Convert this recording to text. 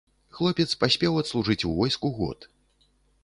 Хлопец паспеў адслужыць у войску год.